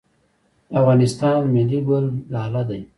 د افغانستان ملي ګل لاله دی